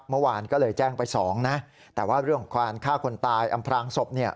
เมื่อวานก็เลยแจ้งไปสองนะแต่ว่าเรื่องของการฆ่าคนตายอำพลางศพเนี่ย